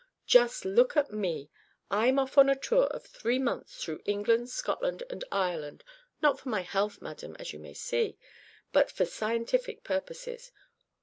"Just look at me. I'm off on a tour of three months through England, Scotland, and Ireland not for my health, madam, as you may see but for scientific purposes.